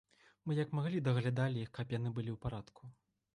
Мы, як маглі, даглядалі іх, каб яны былі ў парадку.